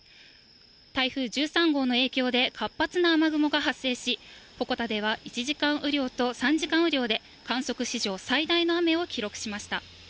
台風１３号の影響で、活発な雨雲が発生し、鉾田では１時間雨量と３時間雨量で、観測史上最大の雨を記録しました。